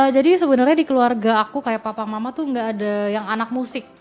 jadi sebenernya di keluarga aku kayak papa mama tuh gak ada yang anak musik